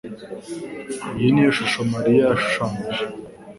Iyi niyo shusho Mariya yashushanyije.